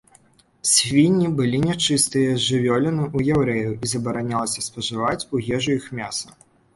Свінні былі нячыстыя жывёліны ў яўрэяў, і забаранялася спажываць у ежу іх мяса.